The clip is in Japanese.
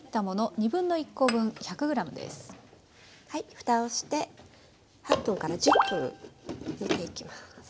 はいふたをして８分１０分煮ていきます。